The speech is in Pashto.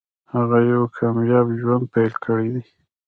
هغه یو کامیاب ژوند پیل کړی دی